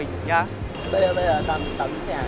bây giờ tạm giữ xe